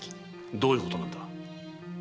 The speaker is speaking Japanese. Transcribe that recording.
どういうことなんだ？